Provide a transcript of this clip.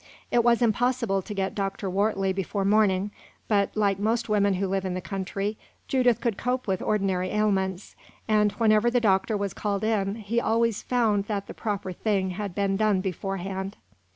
It was impossible to get Dr. Wortley before morning, but, like most women who live in the country, Judith could cope with ordinary ailments, and, whenever the doctor was called in, he always found that the proper thing had been done beforehand.